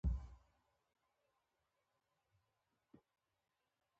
په افغانستان کې ډېر لږ د ځمکې په سر دي.